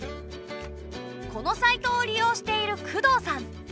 このサイトを利用している工藤さん。